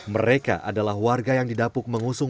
mereka adalah warga yang didapuk mengusung